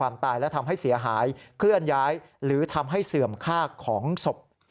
ตายและทำให้เสียหายเคลื่อนย้ายหรือทำให้เสื่อมค่าของศพ